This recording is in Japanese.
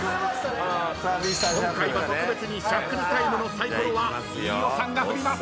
今回は特別にシャッフルタイムのサイコロは飯尾さんが振ります。